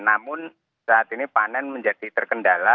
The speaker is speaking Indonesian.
namun saat ini panen menjadi terkendala